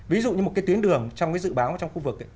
ví dụ như một cái tuyến đường trong cái dự báo trong khu vực